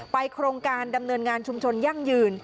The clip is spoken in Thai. โครงการดำเนินงานชุมชนยั่งยืน